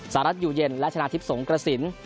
รัฐอยู่เย็นและชนะทิพย์สงกระสิน